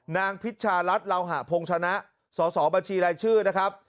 พิชชารัฐเหล่าหะพงชนะสสบัญชีรายชื่อนะครับ